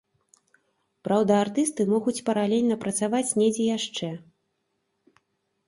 Праўда, артысты могуць паралельна працаваць недзе яшчэ.